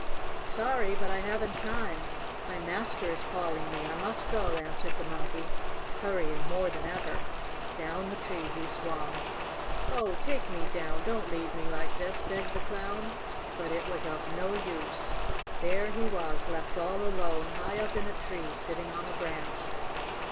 "Sorry, but I haven't time! My master is calling me! I must go!" answered the monkey, hurrying more than ever. Down the tree he swung. "Oh take me down! Don't leave me like this!" begged the Clown. But it was of no use. There he was, left all alone, high up in a tree, sitting on a branch.